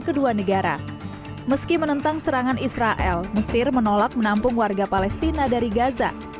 kedua negara meski menentang serangan israel mesir menolak menampung warga palestina dari gaza